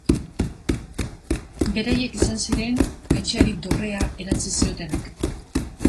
Beraiek izan ziren etxeari dorrea erantsi ziotenak.